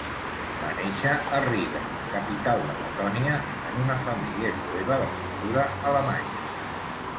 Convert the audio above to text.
Va néixer a Riga, capital de Letònia, en una família jueva de cultura alemanya.